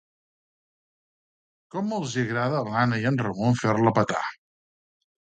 Com els hi agrada a l'Anna i en Ramon fer-la petar.